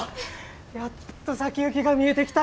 やっと先行きが見えてきたな。